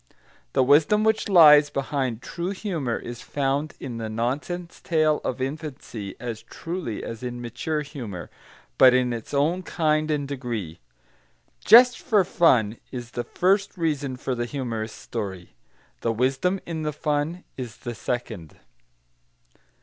The wisdom which lies behind true humour is found in the nonsense tale of infancy as truly as in mature humour, but in its own kind and degree. "Just for fun" is the first reason for the humorous story; the wisdom in the fun is the second.